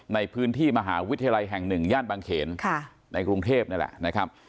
ในพื้นที่มหาวิทยาลัยแห่งหนึ่งย่านบางเขนในกรุงเทพฯนั่นแหละ